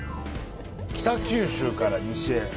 北九州から西へ。